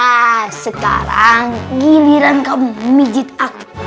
nah sekarang giliran kamu mijit aku